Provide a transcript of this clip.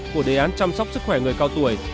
của đề án chăm sóc sức khỏe người cao tuổi